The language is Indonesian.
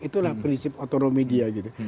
itulah prinsip otoromedia gitu